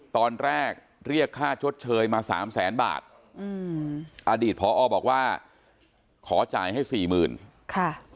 ตอนแรกเรียกค่าชดเชยมา๓๐๐๐บาทอดีตพอบอกว่าขอจ่ายให้๔๐๐๐๐บาท